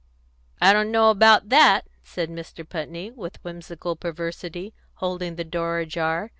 "I don't know about that," said Mr. Putney, with whimsical perversity, holding the door ajar.